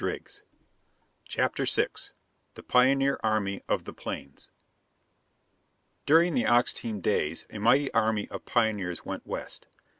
] CHAPTER SIX THE PIONEER ARMY OF THE PLAINS DURING the ox team days a mighty army of pioneers went West.